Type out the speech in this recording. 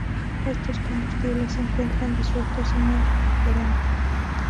Estos combustibles se encuentran disueltos en el refrigerante.